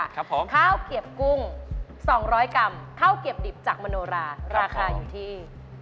ข้าวเกียบกุ้ง๒๐๐กรัมข้าวเกียบดิบจากมโนราราคาอยู่ที่